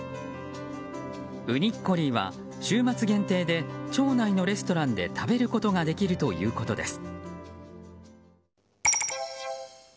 ウニッコリーは週末限定で町内のレストランで食べることができるということです。